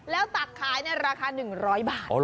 แล้วตักขายในราคา๑๐๐บาท